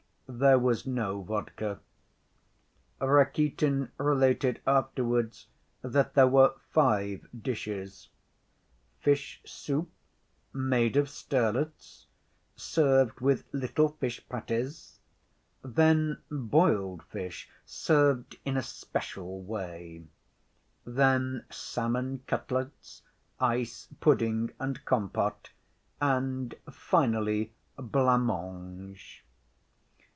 There was no vodka. Rakitin related afterwards that there were five dishes: fish‐soup made of sterlets, served with little fish patties; then boiled fish served in a special way; then salmon cutlets, ice pudding and compote, and finally, blanc‐mange.